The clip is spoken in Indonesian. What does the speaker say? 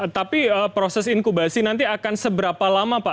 tapi proses inkubasi nanti akan seberapa lama pak